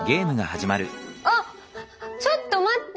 あっちょっと待って！